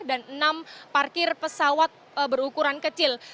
dan enam parkir pesawat berukuran kecil